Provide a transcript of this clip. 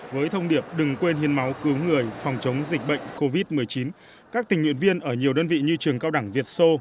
với thông điệp đừng quên hiến máu cứu người phòng chống dịch bệnh covid một mươi chín các tình nguyện viên ở nhiều đơn vị như trường cao đẳng việt sô